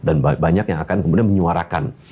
dan banyak yang akan kemudian menyuarakan